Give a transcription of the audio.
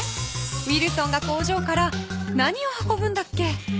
ウィルソンが工場から何を運ぶんだっけ？